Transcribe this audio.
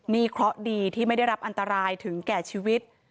นี่เคราะห์ดีที่ไม่ได้รับอันตรายถึงแก่ชีวิต